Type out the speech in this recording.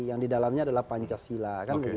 yang di dalamnya adalah pancasila